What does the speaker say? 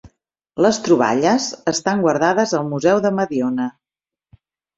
Les troballes estan guardades al museu de Mediona.